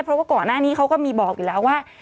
เพราะว่าก่อนหน้านี้เขาก็มีบอกอยู่แล้วว่า